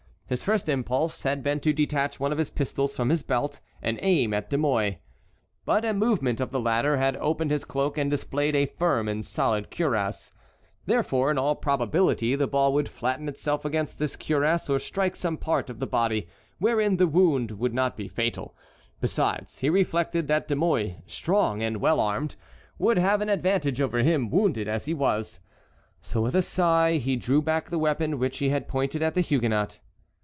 His first impulse had been to detach one of his pistols from his belt and aim at De Mouy; but a movement of the latter had opened his cloak and displayed a firm and solid cuirass. Therefore in all probability the ball would flatten itself against this cuirass or strike some part of the body wherein the wound would not be fatal. Besides, he reflected that De Mouy, strong and well armed, would have an advantage over him, wounded as he was. So with a sigh he drew back the weapon which he had pointed at the Huguenot.